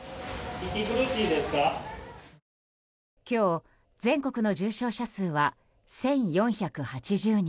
今日、全国の重症者数は１４８０人。